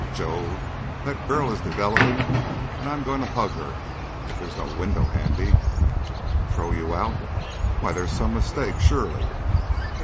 Jove! that girl is developing and I'm going to hug her if there's no window handy! Throw you out? Why, there's some mistake, surely!"